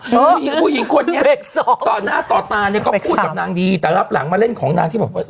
พี่เองค่ะผู้หญิงคนต่อต่อตาเนี้ยก็พูดนางดีแต่ก็รับหลังมาเล่นของนางที่บอกว่า